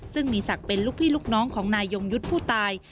ซึ่งมีศักดิ์เป็นลูกพี่ลูกน้องของนายยงยุทธ์ผู้ตาย